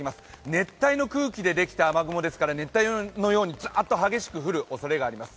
熱帯の空気でできた雨雲ですから、熱帯のようにざーっと激しく降るおそれがあります。